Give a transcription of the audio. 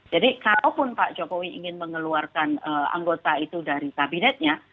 jadi kalaupun pak jokowi ingin mengeluarkan anggota itu dari kabinetnya